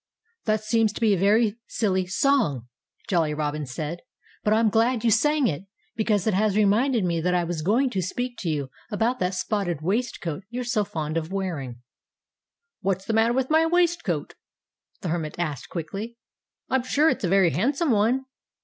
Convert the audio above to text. "That seems to me to be a very silly song," Jolly Robin said. "But I'm glad you sang it, because it has reminded me that I was going to speak to you about that spotted waistcoat you're so fond of wearing." "What's the matter with my waistcoat?" the Hermit asked quickly. "I'm sure it's a very handsome one."